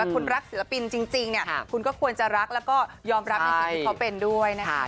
คุณรักศิลปินจริงเนี่ยคุณก็ควรจะรักแล้วก็ยอมรับในสิ่งที่เขาเป็นด้วยนะคะ